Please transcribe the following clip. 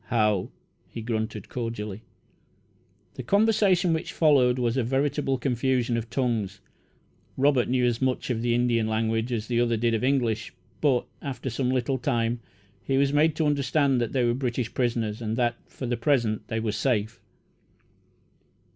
"How!" he grunted cordially. The conversation which followed was a veritable "confusion of tongues." Robert knew about as much of the Indian language as the other did of English; but, after some little time, he was made to understand that they were British prisoners, and that, for the present, they were safe.